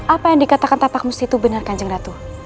apa yang dikatakan tapak musti itu benar kanjeng ratu